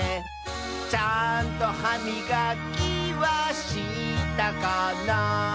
「ちゃんとはみがきはしたかな」